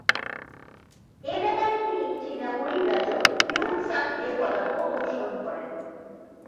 এ ব্যাপারে তিনি চিনা পরিব্রাজক হিউয়েন সাং-এর পদাঙ্ক অনুসরণ করেন।